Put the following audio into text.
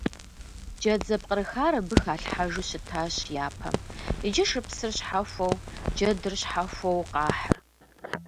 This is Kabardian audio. Джэд зэпкъырыхар абы халъхьэжу щытащ япэм, иджы шыпсыр щхьэхуэу джэдыр щхьэхуэу къахьыр.